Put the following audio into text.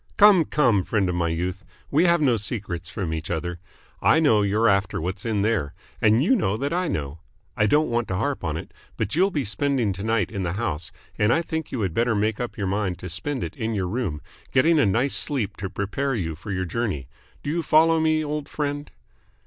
"Come, come, friend of my youth. We have no secrets from each other. I know you're after what's in there, and you know that I know. I don't want to harp on it, but you'll be spending to night in the house, and I think you had better make up your mind to spend it in your room, getting a nice sleep to prepare you for your journey. Do you follow me, old friend?"